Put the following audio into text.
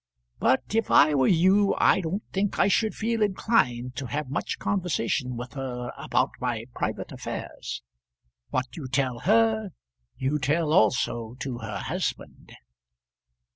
But, if I were you, I don't think that I should feel inclined to have much conversation with her about my private affairs. What you tell her you tell also to her husband."